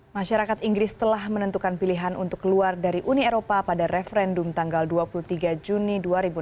masyarakat inggris telah menentukan pilihan untuk keluar dari uni eropa pada referendum tanggal dua puluh tiga juni dua ribu enam belas